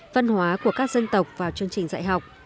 văn hóa của các dân tộc vào chương trình dạy học